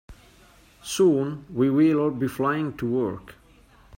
Soon, we will all be flying to work.